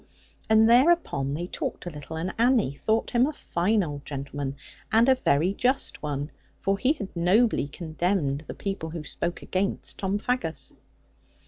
And thereupon they talked a little; and Annie thought him a fine old gentleman, and a very just one; for he had nobly condemned the people who spoke against Tom Faggus.